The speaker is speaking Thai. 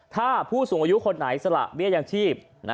ถ้าผู้สูงอายุคนไหนสละเบี้ยยังชีพ